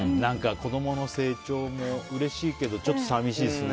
子供の成長もうれしいけどちょっと寂しいですね。